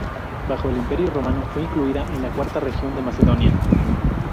Bajo el Imperio romano fue incluida en la cuarta región de Macedonia.